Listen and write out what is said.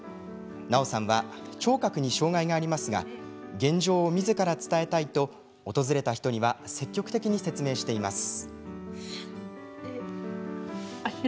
奈緒さんは聴覚に障害がありますが現状をみずから伝えたいと訪れた人には積極的に説明しています。